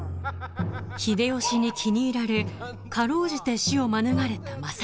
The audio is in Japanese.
［秀吉に気に入られ辛うじて死を免れた政宗］